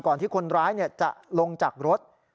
ที่คนร้ายจะลงจากรถ